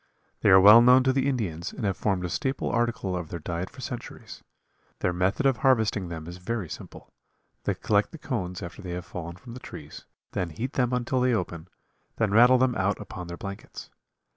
They are well known to the Indians and have formed a staple article of their diet for centuries. Their method of harvesting them is very simple. They collect the cones after they have fallen from the trees, then heat them until they open, then rattle them out upon their blankets.